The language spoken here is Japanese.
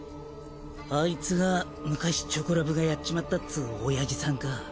アイツが昔チョコラブがやっちまったっつうおやじさんか。